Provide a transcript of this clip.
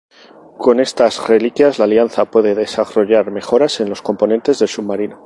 Con estas reliquias ´´La Alianza´´ puede desarrollar mejoras en los componentes del submarino.